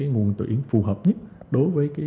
nguồn tuyển phù hợp nhất đối với